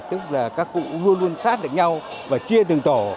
tức là các cụ luôn luôn sát được nhau và chia từng tổ